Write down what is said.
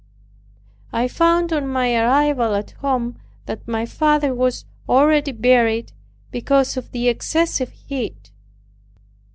I found on my arrival at home, that my father was already buried because of the excessive heat.